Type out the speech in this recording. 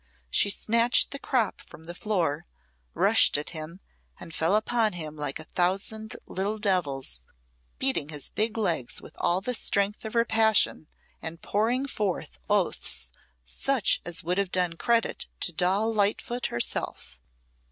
She snatched the crop from the floor, rushed at him, and fell upon him like a thousand little devils, beating his big legs with all the strength of her passion, and pouring forth oaths such as would have done credit to Doll Lightfoot herself.